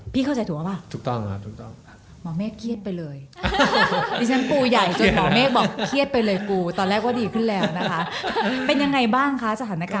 พี่เข้าใจถูกป่ะปะ